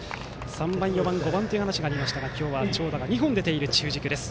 ３番、４番、５番という話がありましたが今日は長打が２本出ている中軸です。